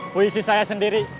puisi saya sendiri